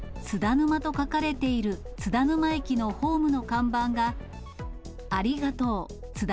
ぬまと書かれている津田沼駅のホームの看板が、ありがとうつだ